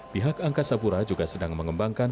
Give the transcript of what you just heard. pihak angkasa pura juga sedang mengembangkan